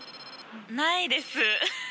ないです。